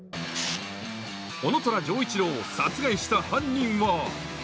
男虎丈一郎を殺害した犯人は？